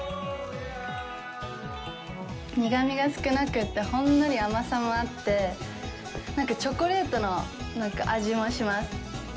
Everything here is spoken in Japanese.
苦みが少なくてほんのり甘さもあって、なんかチョコレートの味もします。